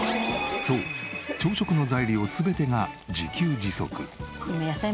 そう朝食の材料全てが自給自足。